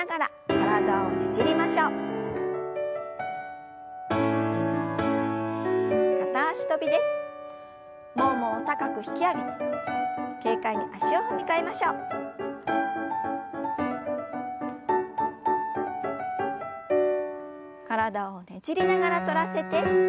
体をねじりながら反らせて斜め下へ。